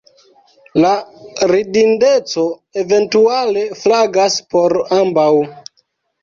La ridindeco, eventuale, flagas por ambaŭ.